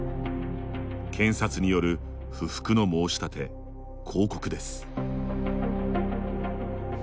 検察による不服の申し立て＝抗告です。